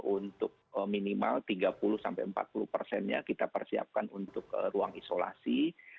untuk minimal tiga puluh sampai empat puluh persennya kita persiapkan untuk ruang isolasi